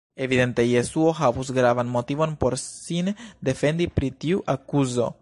Evidente Jesuo havus gravan motivon por sin defendi pri tiu akuzo.